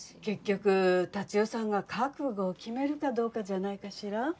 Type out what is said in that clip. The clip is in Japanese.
結局達代さんが覚悟を決めるかどうかじゃないかしら？